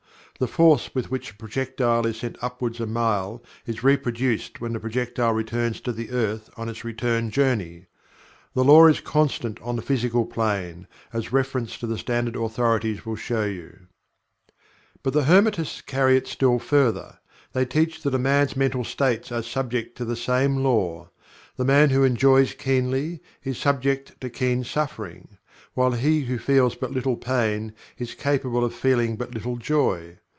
The force with which a projectile is sent upward a mile is reproduced when the projectile returns to the earth on its return journey. This Law is constant on the Physical Plane, as reference to the standard authorities will show you. But the Hermetists carry it still further. They teach that a man's mental states are subject to the same Law. The man who enjoys keenly, is subject to keen suffering; while he who feels but little pain is capable of feeling but little joy.